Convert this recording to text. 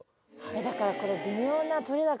だからこれ。